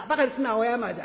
お山じゃ」。